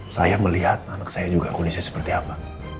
saya melihat anak saya juga kondisi seperti apa